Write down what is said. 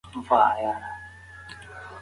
انا وویل چې د ماشوم خندا زما زړه ته درد ورکوي.